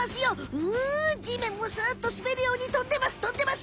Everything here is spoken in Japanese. うじめんもスッとすべるようにとんでますとんでます！